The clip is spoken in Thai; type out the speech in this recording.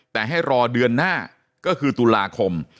แต่ให้รอเดือนหน้าก็คือตุลาคม